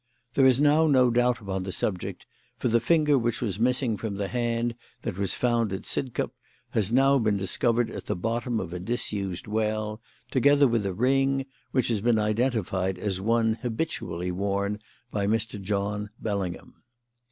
There is now no doubt upon the subject, for the finger which was missing from the hand that was found at Sidcup has been discovered at the bottom of a disused well together with a ring, which has been identified as one habitually worn by Mr. John Bellingham.